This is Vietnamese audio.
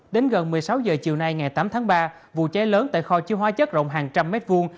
đến gần một mươi sáu h chiều nay ngày tám tháng ba vụ cháy lớn tại kho chứa hóa chất rộng hàng trăm mét vuông